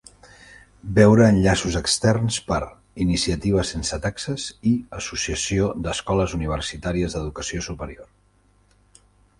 Veure enllaços externs per: "iniciativa sense taxes" i "Associació d'Escoles Universitàries d'Educació Superior".